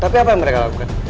tapi apa yang mereka lakukan